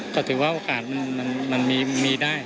ก็ถือว่าโอกาสมันมีได้